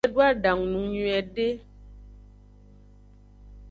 Edo adangu nung nyiude.